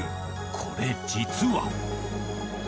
これ、実は。